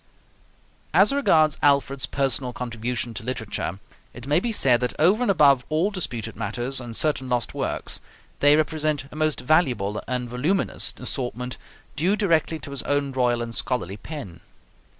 As regards Alfred's personal contribution to literature, it may be said that over and above all disputed matters and certain lost works, they represent a most valuable and voluminous assortment due directly to his own royal and scholarly pen.